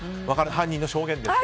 犯人の証言ですね。